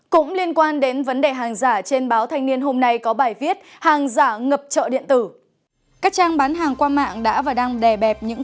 cũng liên quan đến vấn đề hàng giả trên báo thanh niên hôm nay có bài viết hàng giả ngập chợ điện tử